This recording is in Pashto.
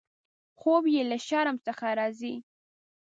خوب یې له شرم څخه راځي.